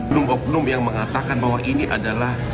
on oknum yang mengatakan bahwa ini adalah